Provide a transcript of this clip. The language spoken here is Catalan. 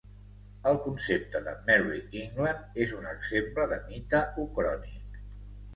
El concepte de Merry England és un exemple de mite ucrònic.